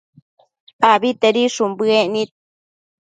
abitedishun bëec nid